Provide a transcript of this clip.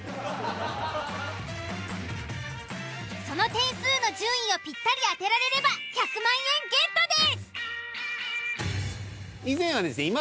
その点数の順位をぴったり当てられれば１００万円ゲットです！